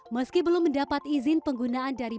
meski belum mendapat izin penggunaan dari